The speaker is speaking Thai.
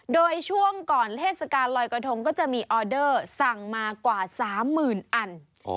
โดยช่วงก่อนเทศกาลลอยกระทงก็จะมีออเดอร์สั่งมากว่า๓๐๐๐อัน